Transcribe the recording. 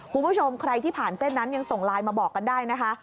คุณผู้ชมใครที่ผ่านเส้นนั้นยังส่งไลน์มาบอกกันได้นะคะ